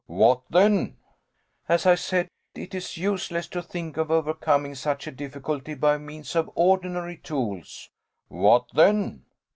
"What then?" "As I said, it is useless to think of overcoming such a difficulty by means of ordinary tools." "What then?"